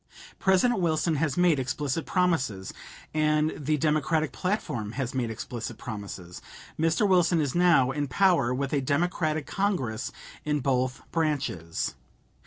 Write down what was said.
President Wilson has made explicit promises, and the Democratic platform has made explicit promises. Mr. Wilson is now in power, with a Democratic Congress in both branches.